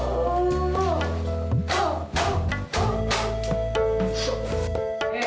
pokoknya kalo bukan sepatu emas